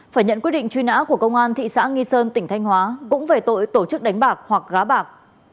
phải nhận quyết định truy nã của công an thị xã nghi sơn tỉnh thanh hóa cũng về tội tổ chức đánh bạc hoặc gá bạc